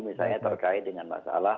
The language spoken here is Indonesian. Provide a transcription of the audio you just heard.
misalnya terkait dengan masalah